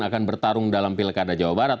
akan bertarung dalam pilkada jawa barat